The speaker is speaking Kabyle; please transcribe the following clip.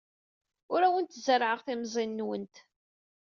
Ur awent-zerrɛeɣ timẓin-nwent.